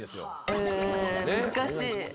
難しい。